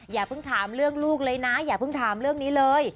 อย่าเพิ่งถามเรื่องลูกเลยนะอย่าเพิ่งถามเรื่องนี้เลย